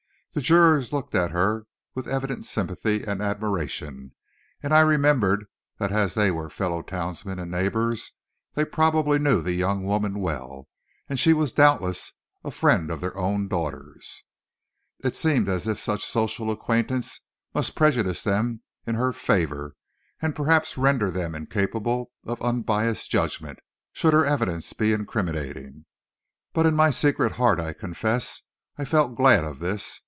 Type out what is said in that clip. The jurors looked at her with evident sympathy and admiration, and I remembered that as they were fellow townsmen and neighbors they probably knew the young woman well, and she was doubtless a friend of their own daughters. It seemed as if such social acquaintance must prejudice them in her favor, and perhaps render them incapable of unbiased judgment, should her evidence be incriminating. But in my secret heart, I confess, I felt glad of this.